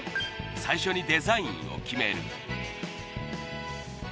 最初にデザインを決める